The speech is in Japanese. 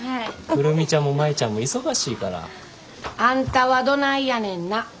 久留美ちゃんも舞ちゃんも忙しいから。あんたはどないやねんな。